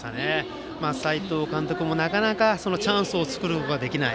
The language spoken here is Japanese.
斎藤監督もなかなかチャンスを作ることができない。